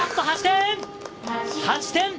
８点！